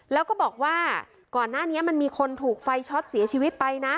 แล้วก็บอกว่าก่อนหน้านี้มันมีคนถูกไฟช็อตเสียชีวิตไปนะ